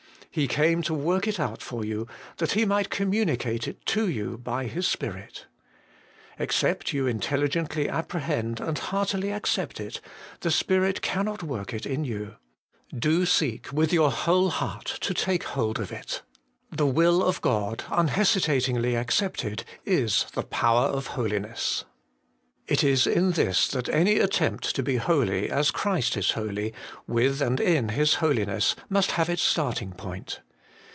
He came to work it out for you, that He might communicate it to you by His Spirit. Except you intelligently apprehend and heartily accept it, the Spirit cannot work it in you. Do seek with your whole heart to take hold of it : the will of God unhesitatingly accepted, is the power of holiness. It is in this that any attempt to be holy as Christ is holy, with and in His Holiness, must have its starting point.